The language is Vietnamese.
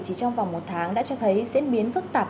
chỉ trong vòng một tháng đã cho thấy diễn biến phức tạp